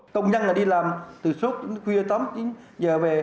công nhân là đi làm từ suốt khuya tắm đến giờ về